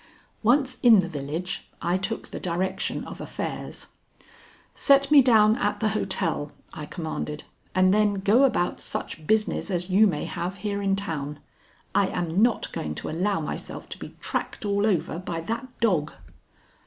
Once in the village, I took the direction of affairs. "Set me down at the hotel," I commanded, "and then go about such business as you may have here in town. I am not going to allow myself to be tracked all over by that dog."